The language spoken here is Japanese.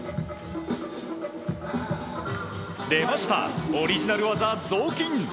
出ました、オリジナル技ぞうきん！